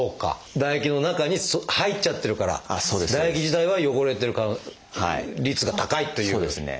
唾液の中に入っちゃってるから唾液自体は汚れてる率が高いということですかね。